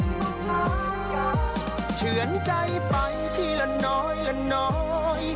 เฉือนใจไปทีละน้อยละน้อย